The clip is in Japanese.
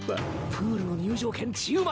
プールの入場券１０枚！